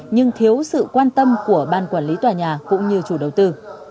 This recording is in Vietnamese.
nhưng thiếu sự quan tâm của ban quản lý tòa nhà cũng như chủ đầu tư